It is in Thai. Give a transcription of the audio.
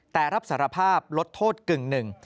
แต่รับสารภาพลดโทษกึ่งหนึ่ง